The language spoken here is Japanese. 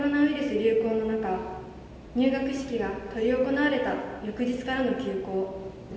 流行の中、入学式が執り行われた翌日からの休校。